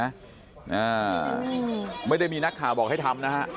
อ่าไม่ได้มีนักข่าวบอกให้ทำนะฮะ